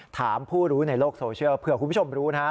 ถามผู้รู้ในโลกโซเชียลเผื่อคุณผู้ชมรู้นะฮะ